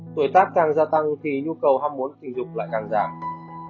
tuổi tác càng gia tăng thì nhu cầu ham muốn tình dục lại càng giảm